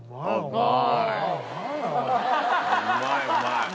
うまいうまい。